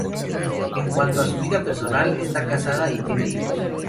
En cuanto a su vida personal, está casada y tiene dos hijos.